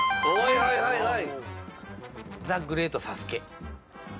はいはいはい！